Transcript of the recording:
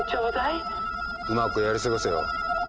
うまくやり過ごせよ。